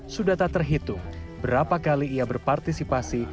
sudah tak terhitung berapa kali ia berpartisipasi